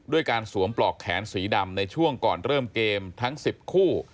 ด้วยการสวมปลอกแขนสีดำในช่วงก่อนเริ่มเกมทั้ง๑๐คู่